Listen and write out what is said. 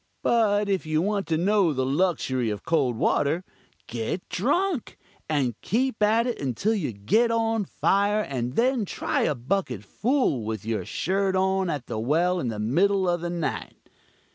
But if you want to know the luxury of cold water, get drunk, and keep at it until you get on fire, and then try a bucket full with your shirt on at the well in the middle of the night.